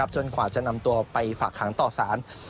จนกว่าจะนำตัวไปฝากขังต่อศาล